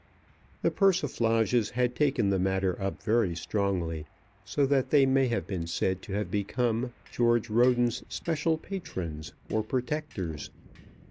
The Persiflages had taken the matter up very strongly, so that they may have been said to have become George Roden's special patrons or protectors.